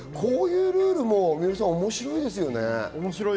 こういうルールも面白いですね、三浦さん。